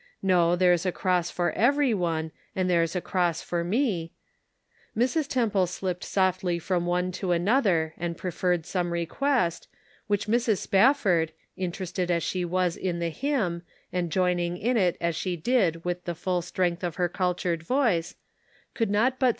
No, there's a cross for every one, And there's a cross for me," Mrs. Temple slipped softly from one to an other and preferred some request, which Mrs. Spafford, interested as she was in the hymn, and joining in it as she did with the full strength of her cultured voice, could not but 188 The Pocket Measure.